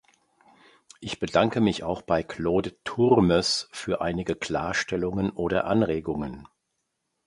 Ich bedanke mich auch bei Claude Turmes für einige Klarstellungen oder Anregungen.